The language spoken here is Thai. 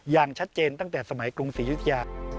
อย่างชัดเจนตั้งแต่สมัยกรุงศรียุธยา